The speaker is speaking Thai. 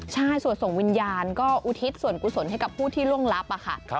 ใช่สวดส่งวิญญาณก็อุทิศส่วนกุศลให้กับผู้ที่ล่วงลับค่ะ